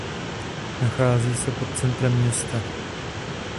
Nachází se pod centrem města.